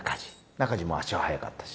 ナカジも足は速かったし。